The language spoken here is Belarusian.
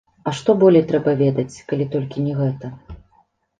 А што болей трэба ведаць, калі толькі не гэта?